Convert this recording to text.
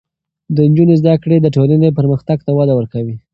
د نجونو زده کړې د ټولنې پرمختګ ته وده ورکوي.